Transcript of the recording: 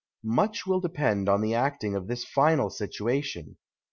Much will depend on the acting of this final situation.